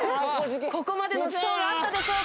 ここまでの死闘があったでしょうか？